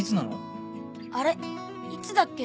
あれいつだっけ。